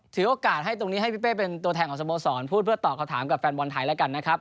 ถือโอกาสให้ตรงนี้ให้พี่เป้เป็นตัวแทนของสโมสรพูดเพื่อตอบคำถามกับแฟนบอลไทยแล้วกันนะครับ